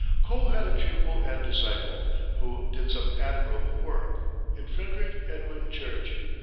Cole had a pupil and disciple, who did some admirable work, in Frederick Edwin Church.